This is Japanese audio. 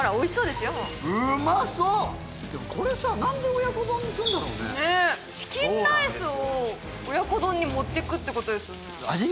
でもこれさなんで親子丼にすんだろうねチキンライスを親子丼にもってくってことですよね